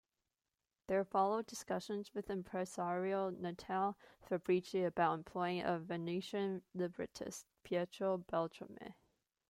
There followed discussions with impresario Natale Fabbrici about employing a Venetian librettist, Pietro Beltrame.